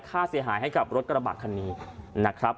ค่าเสียหายให้กับรถกระบะคันนี้นะครับ